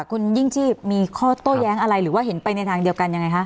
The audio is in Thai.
คุณยิ่งชีพมีข้อโต้แย้งอะไรหรือว่าเห็นไปในทางเดียวกันยังไงคะ